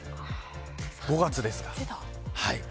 ５月です。